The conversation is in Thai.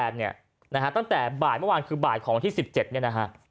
ตั้งแต่บ่ายเมื่อวานคือบ่ายของวันที่๑๗เนี่ยนะฮะ